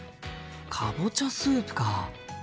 かぼちゃスープか。